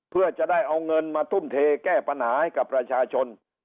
เพื่อจะได้เอาเงินมาทุ่มเทแก้ปัญหาให้กับประชาชน